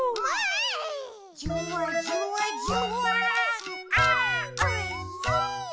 「じゅわじゅわじゅわーんあーおいしい！」